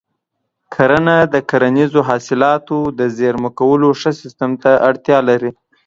کرنه د کرنیزو حاصلاتو د زېرمه کولو ښه سیستم ته اړتیا لري.